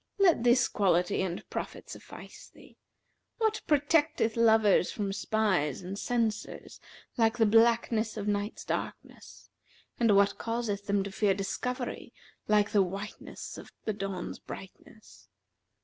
Let this quality and profit suffice thee. What protecteth lovers from spies and censors like the blackness of night's darkness; and what causeth them to fear discovery like the whiteness of the dawn's brightness?